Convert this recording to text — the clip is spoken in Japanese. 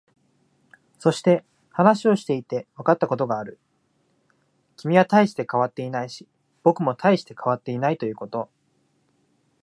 そして、話をしていてわかったことがある。君は大して変わっていないし、僕も大して変わっていないということ。